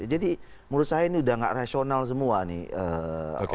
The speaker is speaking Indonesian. jadi menurut saya ini udah gak rasional semua nih